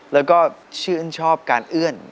แล้วก็ชื่นชอบการเอื้อน